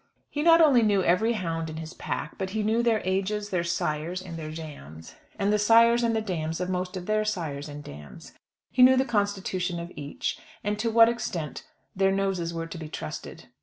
He not only knew every hound in his pack, but he knew their ages, their sires, and their dams; and the sires and the dams of most of their sires and dams. He knew the constitution of each, and to what extent their noses were to be trusted.